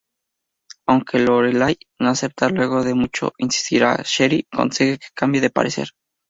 Aunque Lorelai no acepta, luego de mucho insistir Sherry consigue que cambie de parecer.